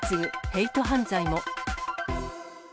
ヘイト犯罪も。